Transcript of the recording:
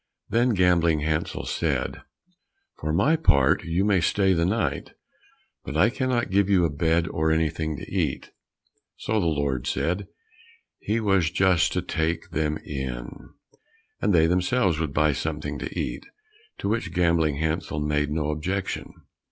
Then Gambling Hansel said, "For my part, you may stay the night, but I cannot give you a bed or anything to eat." So the Lord said he was just to take them in, and they themselves would buy something to eat, to which Gambling Hansel made no objection.